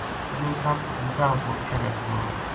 یوہ سپ بوٹا اپر چڑھے تھو